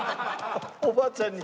おばあちゃんに？